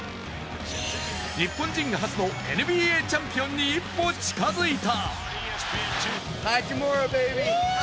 日本人初のＮＢＡチャンピオンに一歩近づいた。